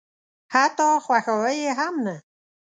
حتی خواښاوه یې هم نه.